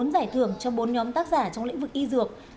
bốn giải thưởng cho bốn nhóm tác giả trong lĩnh vực y dược